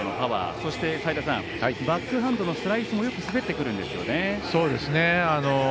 そしてバックハンドのスライスもよく滑ってくるんですよね。